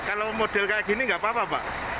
kalau model kayak gini nggak apa apa pak